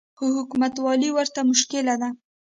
خو حکومتولي ورته مشکله ده